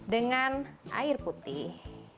dengan air putih